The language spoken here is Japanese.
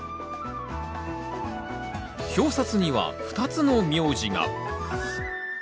表札には２つの名字が。